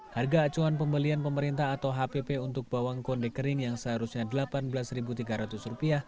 harga acuan pembelian pemerintah atau hpp untuk bawang konde kering yang seharusnya rp delapan belas tiga ratus